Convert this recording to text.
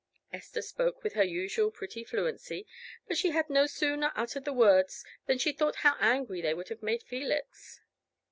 Esther spoke with her usual pretty fluency, but she had no sooner uttered the words than she thought how angry they would have made Felix.